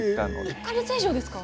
１か月以上ですか？